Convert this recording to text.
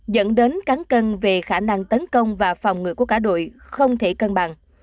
dẫn đến cán cân về khả năng tấn công và phòng ngự của cả đội không thể cân bằng